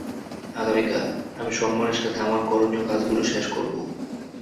আগামীকাল, আমি সম্মানের সাথে আমার করণীয় কাজগুলো শেষ করবো।